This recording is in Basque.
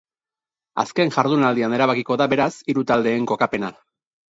Azken jardunaldian erabakiko da, beraz, hiru taldeen kokapena.